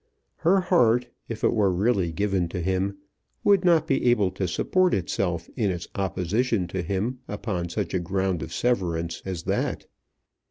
Her heart, if it were really given to him, would not be able to support itself in its opposition to him upon such a ground of severance as that.